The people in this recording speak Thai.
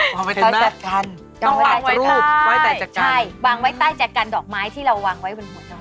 วางไว้ใต้แจกกันต้องปากรูปไว้ใต้แจกกันใช่วางไว้ใต้แจกกันดอกไม้ที่เราวางไว้บนหัวจอ